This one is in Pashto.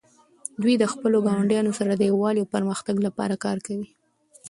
دوی د خپلو ګاونډیانو سره د یووالي او پرمختګ لپاره کار کوي.